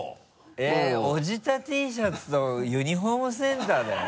えっおじたＴシャツとユニフォームセンターだよ？